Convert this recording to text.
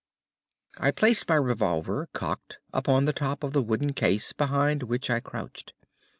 I placed my revolver, cocked, upon the top of the wooden case behind which I crouched.